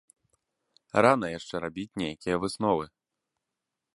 Рана яшчэ рабіць нейкія высновы.